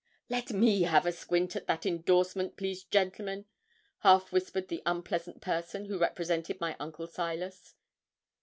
'Let me have a squint at that indorsement, please, gentlemen,' half whispered the unpleasant person who represented my uncle Silas.